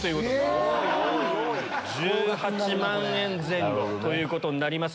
１８万円前後ということになります。